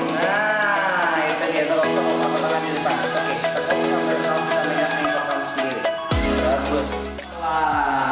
nah itu dia tolong tolong